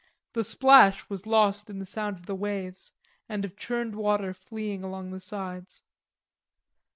The splash was lost in the sound of the waves and of churned water fleeing along the sides.